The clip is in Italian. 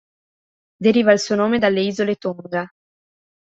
Deriva il suo nome dalle isole Tonga.